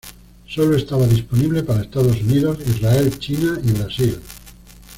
Solo estaba disponible para Estados Unidos, Israel, China y Brasil.